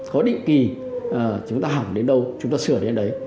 có định kỳ chúng ta hỏng đến đâu chúng ta sửa đến đấy